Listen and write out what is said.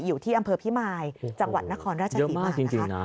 อยู่ที่อำเภอพี่มายจังหวัดนครราชภีร์ปากโอ้โฮเยอะมากจริงนะ